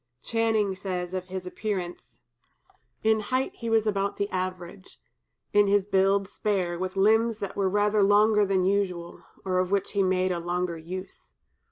Channing says of his appearance: "In height he was about the average; in his build spare, with limbs that were rather longer than usual, or of which he made a longer use.